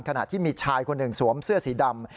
ขณะที่มีชายคนหนึ่งสวมเสื้อสีดำ